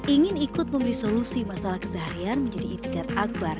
ingin ikut memberi solusi masalah keseharian menjadi itikat akbar